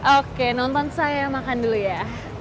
oke nonton saya makan dulu ya